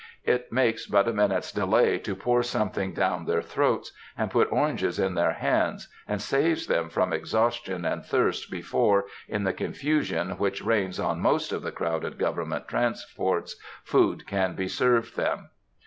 It makes but a minute's delay to pour something down their throats, and put oranges in their hands, and saves them from exhaustion and thirst before, in the confusion which reigns on most of the crowded government transports, food can be served them.